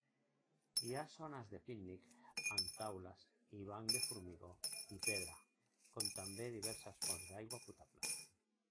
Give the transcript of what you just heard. Hi ha zones de pícnic amb taules i bancs de formigó i pedra, com també diverses fonts d'aigua potable.